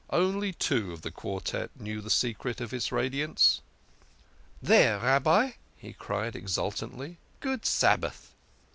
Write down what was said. Only two of the quartette knew the secret of his radiance. " There, Rabbi," he cried exultantly. " Good Sabbath